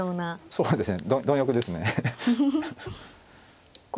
そうですね。